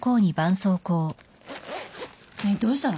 ねっどうしたの？